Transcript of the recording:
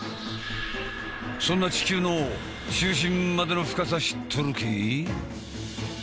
そんな地球の中心までの深さ知っとるけえ？